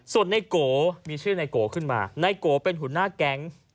ส่วนนายโกนายโกมีชื่อนายโกขึ้นมานายโกเป็นหุ่นนาข์แก๊ง